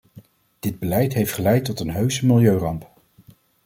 Dit beleid heeft geleid tot een heuse milieuramp.